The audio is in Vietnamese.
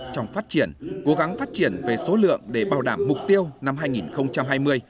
trong phát triển cố gắng phát triển về số lượng để bảo đảm mục tiêu năm hai nghìn hai mươi